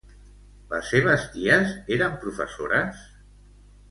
Les seves ties eren professores?